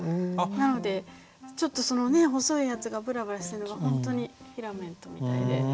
なのでちょっとその細いやつがぶらぶらしてるのが本当にフィラメントみたいで。